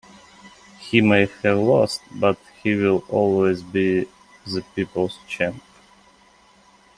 He may have lost, but he will always be the people's champ.